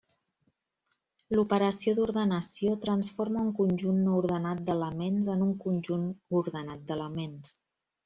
L'operació d'ordenació transforma un conjunt no ordenat d'elements en un conjunt ordenat d'elements.